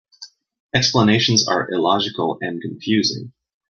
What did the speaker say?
Explanations are illogical and confusing.